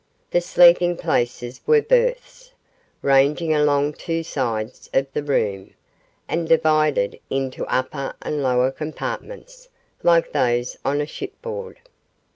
The sleeping places were berths, ranging along two sides of the room, and divided into upper and lower compartments like those on shipboard.